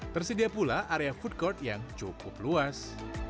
tersedia pula area food court yang cukup luas